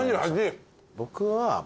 僕は。